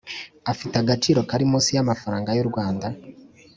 afite agaciro kari munsi yamafaranga yu rwanda